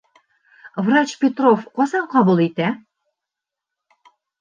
Врач Петров ҡасан ҡабул итә?